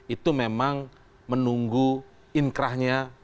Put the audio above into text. itu memang menunggu inkrahnya